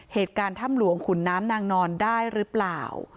เหตุการณ์ถ้ำหลวงขุนน้ำนางนอนได้หรือเปล่า